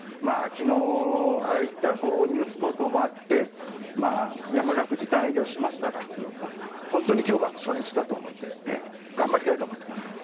昨日、ああいったニュース等々もあってやむなく時短営業しましたが本当に今日が初日だと思って頑張りたいと思っています！